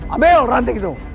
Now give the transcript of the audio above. ambil ranting itu